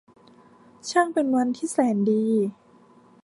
ช่างเป็นวันที่แสนดี !